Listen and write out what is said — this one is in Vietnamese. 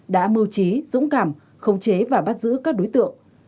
đã mưu trí dũng cảm khống chế và bắt giữ các đối tượng